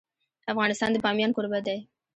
افغانستان د بامیان کوربه دی.